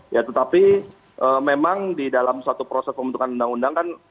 ya tetapi memang di dalam suatu proses pembentukan undang undang kan